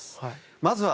まずは。